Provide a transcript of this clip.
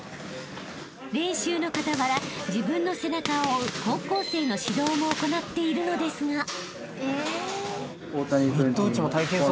［練習の傍ら自分の背中を追う高校生の指導も行っているのですが］